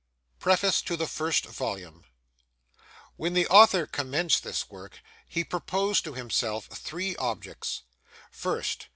PREFACE TO THE FIRST VOLUME WHEN the Author commenced this Work, he proposed to himself three objects— First.